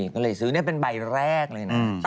ก็เลยซื้อเป็นใบแรกเลยนะ